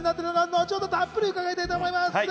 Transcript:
後ほどたっぷり伺いたいと思います。